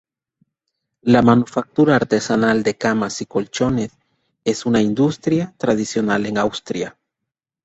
La manufactura artesanal de camas y colchones es una industria tradicional en Austria.